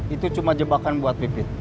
itu cuma jebakan buat pipit